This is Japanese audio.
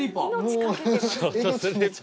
もう。